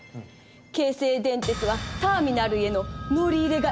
京成電鉄はターミナルへの乗り入れがＮＧ。